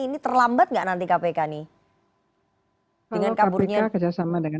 ini terlambat gak nanti kpk nih